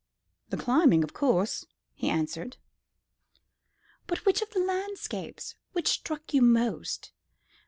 "The climbing, of course," he answered. "But which of all the landscapes? What struck you most?